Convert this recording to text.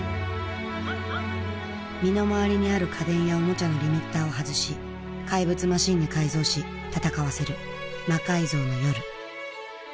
身の回りにある家電やオモチャのリミッターを外し怪物マシンに改造し戦わせる「魔改造の夜」。